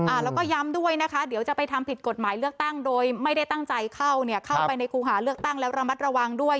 แล้วก็ย้ำด้วยนะคะเดี๋ยวจะไปทำผิดกฎหมายเลือกตั้งโดยไม่ได้ตั้งใจเข้าเนี่ยเข้าไปในครูหาเลือกตั้งแล้วระมัดระวังด้วย